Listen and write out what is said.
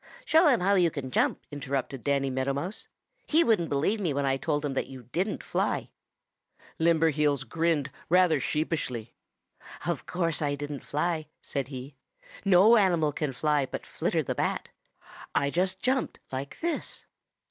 "Show him how you can jump," interrupted Danny Meadow Mouse. "He wouldn't believe me when I told him that you didn't fly." Limberheels grinned rather sheepishly. "Of course I didn't fly," said he. "No animal can fly but Flitter the Bat. I just jumped like this."